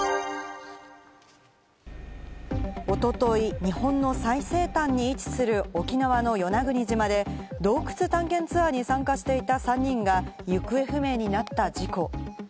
おととい、日本の最西端に位置する沖縄の与那国島で洞窟探検ツアーに参加していた３人が行方不明になった事故。